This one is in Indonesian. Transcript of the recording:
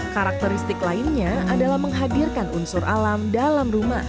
karakteristik lainnya adalah menghadirkan unsur alam dalam rumah